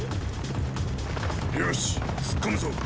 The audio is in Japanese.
⁉よし突っ込むぞっ